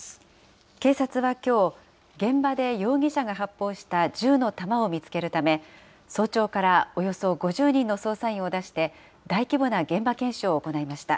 警察はきょう、現場で容疑者が発砲した銃の弾を見つけるため、早朝からおよそ５０人の捜査員を出して、大規模な現場検証を行いました。